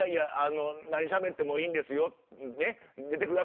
何しゃべってもいいですよという声。